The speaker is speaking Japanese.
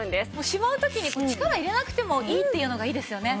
しまう時に力入れなくてもいいっていうのがいいですよね。